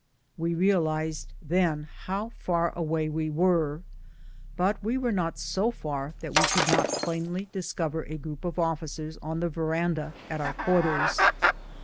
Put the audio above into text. We realized then how far away we were; but we were not so far that we could not plainly discover a group of officers on the veranda at our quarters.